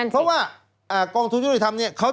เพราะว่ากองทุนิธรรมนี่